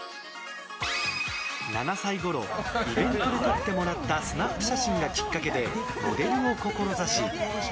７歳ごろイベントで撮ってもらったスナップ写真がきっかけでモデルを志し